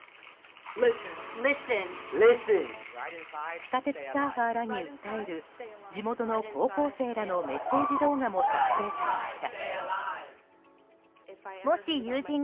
地下鉄サーファーらに訴える地元の高校生らのメッセージ動画も作成されました。